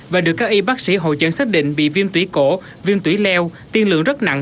và được các y bác sĩ hội dẫn xác định bị viêm tủy cổ viêm tủy leo tiên lượng rất nặng